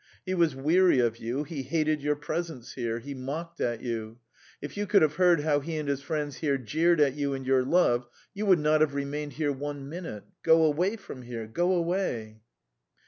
He was weary of you, he hated your presence here, he mocked at you .... If you could have heard how he and his friends here jeered at you and your love, you would not have remained here one minute! Go away from here! Go away."